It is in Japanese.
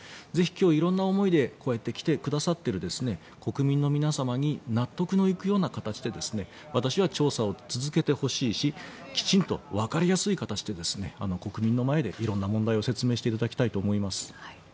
今日、色んな思いで来てくださっている国民の皆様に納得のいくような形で私は調査を続けてほしいしきちんとわかりやすい形で国民の前で色んな問題を説明していただきたいと思います。